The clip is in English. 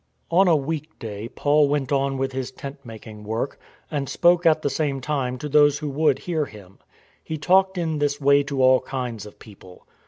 On a week day Paul went on with his tent making work, and spoke at the same time to those who would hear him. He talked in this way to all kinds of people.